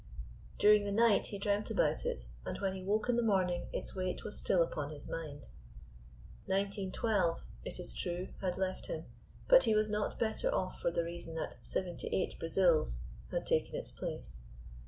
During the night he dreamt about it, and when he woke in the morning its weight was still upon his mind. "Nineteen twelve," it is true, had left him, but he was not better off for the reason that "Seventy eight Brazils" had taken its place.